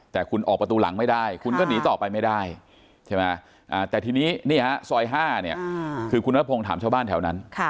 แต่คุณออกประตูหลังไม่ได้คุณก็หนีต่อไปไม่ได้ใช่ไหมแต่ทีนี้นี่ฮะซอย๕เนี่ยคือคุณนัทพงศ์ถามชาวบ้านแถวนั้น